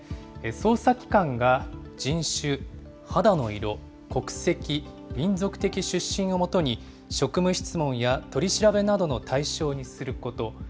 捜査機関が、人種、肌の色、国籍、民族的出身をもとに、職務質問や取り調べなどの対象にすること。